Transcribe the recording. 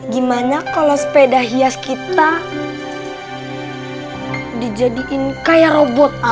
gimana kalau sepeda hias kita dijadikan kayak robot